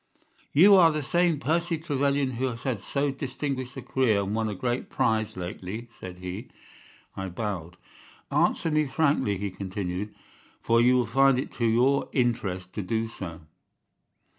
"'You are the same Percy Trevelyan who has had so distinguished a career and won a great prize lately?' said he. "I bowed. "'Answer me frankly,' he continued, 'for you will find it to your interest to do so.